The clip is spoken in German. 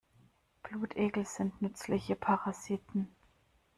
Blutegel sind nützliche Parasiten.